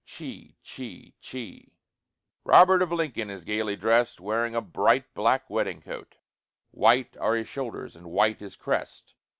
Chee, chee, chee. Robert of Lincoln is gayly drest, Wearing a bright black wedding coat; White are his shoulders and white his crest.